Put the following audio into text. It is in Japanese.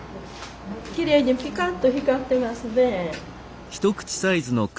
きれいにピカッと光ってますね。